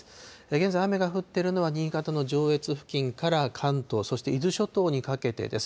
現在、雨が降っているのは、新潟の上越付近から関東、そして伊豆諸島にかけてです。